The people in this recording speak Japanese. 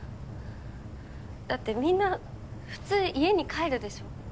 だってみんな普通家に帰るでしょ？